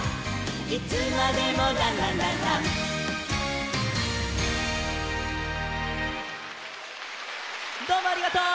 「いつまでもランランランラン」どうもありがとう！